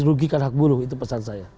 merugikan hak buruh itu pesan saya